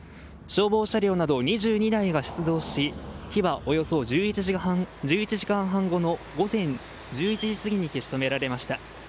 消防車両など２２台が出動し火はおよそ１１時間半後の午前１１時すぎに消し止められました。